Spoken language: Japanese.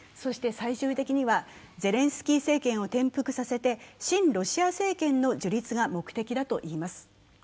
最終的にはゼレンスキー政権を転覆させて親ロシア政権の樹立を目的としています。